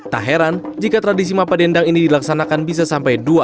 tak heran jika tradisi mapa dendang ini dilaksanakan bisa sampai dua hari